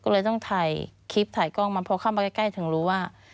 ก็เลยต้องถ่ายคลิปถ่ายกล้องมาพอเข้ามาใกล้ถึงรู้ว่า